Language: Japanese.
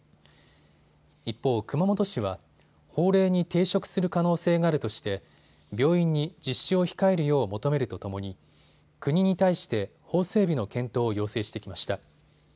一方、熊本市は法令に抵触する可能性があるとして病院に実施を控えるよう求めるとともに国に対して法整備の検討を要請してきました。